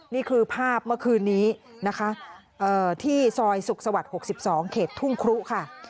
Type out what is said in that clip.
นี่คือภาพเมื่อคืนนี้นะคะที่ซอยสุขสวรรค์๖๒เขตทุ่งครุค่ะ